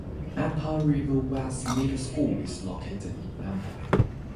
Maple River West Middle School is located in Amboy.